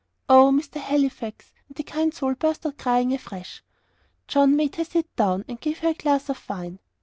"Oh, Mr. Halifax!" and the kind soul burst out into crying afresh. John made her sit down, and gave her a glass of wine.